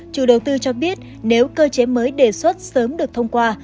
chủ đầu tư cho biết nếu cơ chế mới đề xuất sớm được thông qua